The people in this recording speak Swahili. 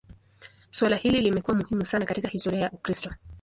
Suala hili limekuwa muhimu sana katika historia ya Ukristo.